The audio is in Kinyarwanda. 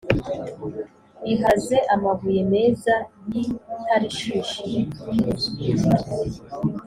iharaze amabuye meza y’i Tarishishi.